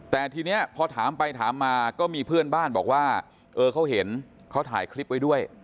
แต่ทีนี้พอถามไปถามมาก็มีเพื่อนบ้านบอกว่าเออเขาเห็นเขาถ่ายคลิปไว้ด้วย